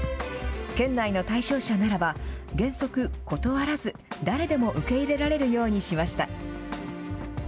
県内の対象者ならば、原則、断らず、誰でも受け入れられるようにしました。